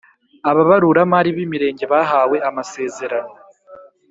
Ababaruramari b imirenge bahawe amasezerano